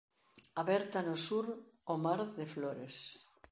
Aberta no sur ao mar de Flores.